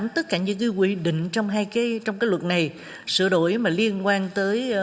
tại phiên thảo luật